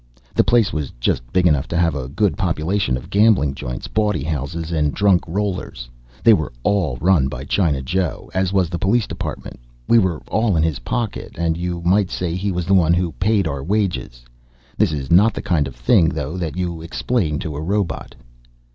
The place was just big enough to have a good population of gambling joints, bawdy houses and drunk rollers. They were all run by China Joe. As was the police department. We were all in his pocket and you might say he was the one who paid our wages. This is not the kind of thing, though, that you explain to a robot.